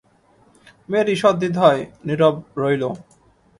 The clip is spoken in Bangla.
মেয়েটি ঈষৎ দ্বিধায় নীরব রইল।